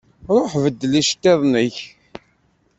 Ṛuḥ beddel iceṭṭiḍen-ik.